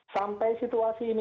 sampai situasi ini